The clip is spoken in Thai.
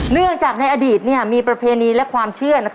เนื่องจากในอดีตมีประเพณีและความเชื่อ